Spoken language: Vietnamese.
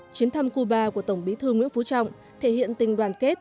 chuyến thăm cuba của tổng bí thư nguyễn phú trọng thể hiện tình đoàn kết